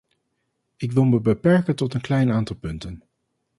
Ik wil me beperken tot een klein aantal punten.